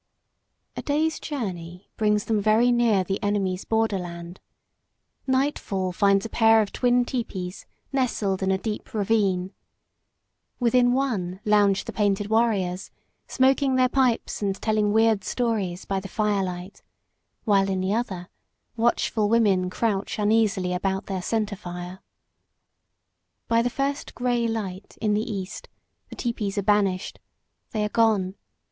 A day's journey brings them very near the enemy's borderland. Nightfall finds a pair of twin tepees nestled in a deep ravine. Within one lounge the painted warriors, smoking their pipes and telling weird stories by the firelight, while in the other watchful women crouch uneasily about their center fire. By the first gray light in the east the tepees are banished. They are gone.